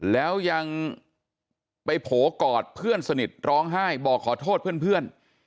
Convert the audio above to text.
แล้วยังไปโผล่กอดเพื่อนสนิทร้องไห้บอกขอโทษเพื่อน